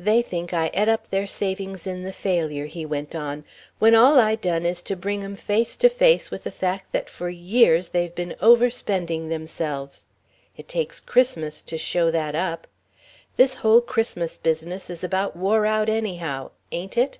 "They think I et up their savings in the failure," he went on, "when all I done is to bring 'em face to face with the fact that for years they've been overspending themselves. It takes Christmas to show that up. This whole Christmas business is about wore out, anyhow. Ain't it?"